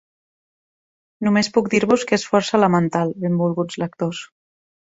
Només puc dir-vos que és força elemental, benvolguts lectors.